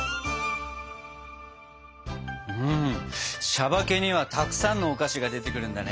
「しゃばけ」にはたくさんのお菓子が出てくるんだね。